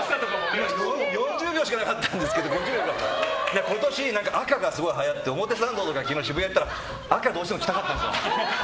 ４０秒しかなかったんですけど今年赤がすごい流行ってて表参道とか昨日、渋谷に行ったら赤が着たかった。